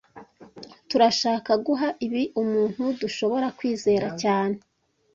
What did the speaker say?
Turashaka guha ibi umuntu dushobora kwizera cyane